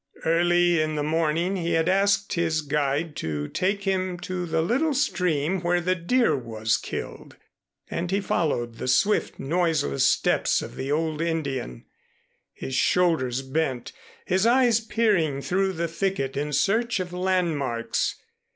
Early in the morning he had asked his guide to take him to the little stream where the deer was killed, and he followed the swift noiseless steps of the old Indian, his shoulders bent, his eyes peering through the thicket in search of landmarks.